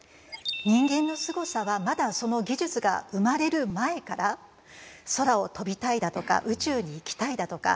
人間のすごさはまだその技術が生まれる前から空を飛びたいだとか宇宙に行きたいだとか